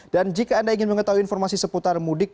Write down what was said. dan jika anda ingin mengetahui informasi seputar mudik